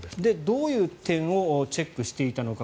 どういう点をチェックしていたのか。